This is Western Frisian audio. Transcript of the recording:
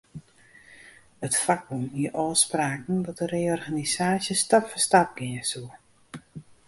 It fakbûn hie ôfspraken makke dat de reorganisaasje stap foar stap gean soe.